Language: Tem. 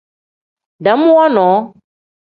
Dam wonoo.